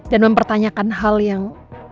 dan mempertanyakan hal yang